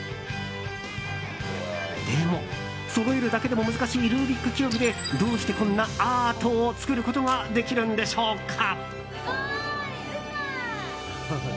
でも、そろえるだけでも難しいルービックキューブでどうしてこんなアートを作ることができるんでしょうか。